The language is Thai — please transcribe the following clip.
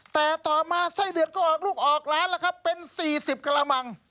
แต่ต่อมาไส้เดือนก็ออกลูกออกร้านแล้วครับเป็น๔๐กระมัง